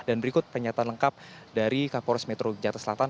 dan berikut pernyataan lengkap dari kapolres metro jakarta selatan